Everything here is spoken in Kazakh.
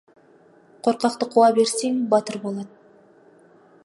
Қорқақты қуа берсең, батыр болады.